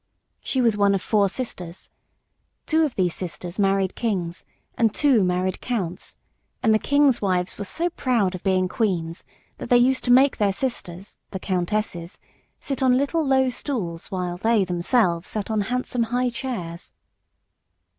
She was one of four sisters. Two of these sisters married kings and two married counts, and the kings' wives were so proud of being queens that they used to make their sisters, the countesses, sit on little low stools while they themselves sat on handsome high chairs.